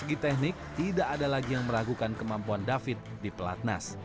bagi teknik tidak ada lagi yang meragukan kemampuan david di pelatnas